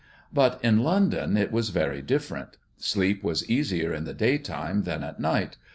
But in London it was very different; sleep was easier in the daytime than at night.